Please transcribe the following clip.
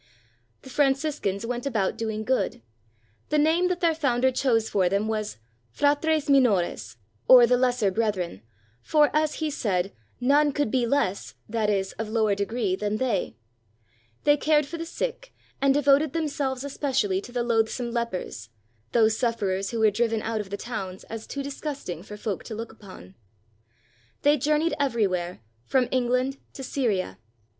I The Franciscans went about doing good. The name that their founder chose for them was "Fratres Mi 14 ST. FRANCIS OF ASSISI nores," or the lesser brethren, for, as he said, none could be less, that is, of lower degree than they. They cared for the sick, and devoted themselves especially to the loathsome lepers, those sufferers who were driven out of the towns as too disgusting for folk to look upon. They journeyed everywhere, from England to Syria.